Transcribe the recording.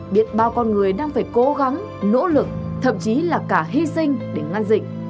biết bao con người đang phải cố gắng nỗ lực thậm chí là cả hy sinh để ngăn dịch